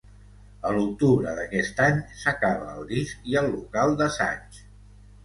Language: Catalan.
A l'octubre d'aquest any s'acaba el disc i el local d'assaig.